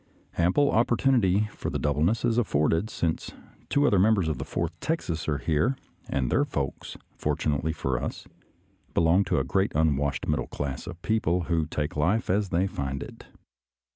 Ample opportunity for the doubleness is afforded, since two other members of the Fourth Texas are here, and their folks, fortunately for us, belong to the great unwashed middle class of people who take life as they find it.